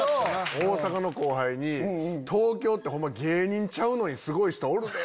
大阪の後輩に東京ってホンマ芸人ちゃうのにすごい人おるで！